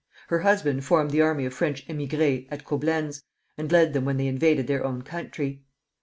Her husband formed the army of French émigrés at Coblentz, and led them when they invaded their own country.